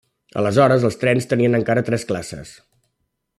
Aleshores els trens tenien encara tres classes.